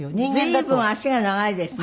随分脚が長いですね。